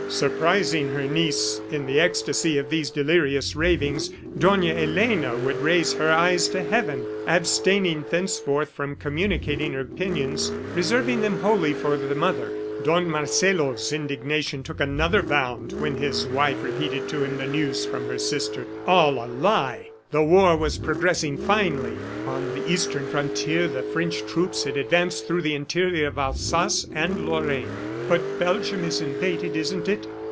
... Surprising her niece in the ecstasy of these delirious ravings, Dona Elena would raise her eyes to heaven, abstaining thenceforth from communicating her opinions, reserving them wholly for the mother. Don Marcelo's indignation took another bound when his wife repeated to him the news from her sister. All a lie! ... The war was progressing finely. On the Eastern frontier the French troops had advanced through the interior of Alsace and Lorraine. "But Belgium is invaded, isn't it?"